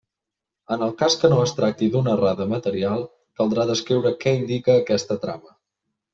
En el cas que no es tracti d'una errada material, caldrà descriure què indica aquesta trama.